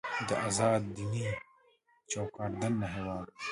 د ازاد دینۍ په چوکاټ دننه هېواد دی.